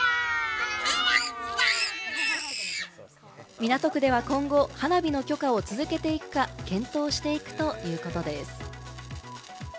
港区では、今後、花火の許可を続けていくか検討していくということです。